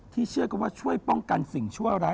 เชื่อกันว่าช่วยป้องกันสิ่งชั่วร้าย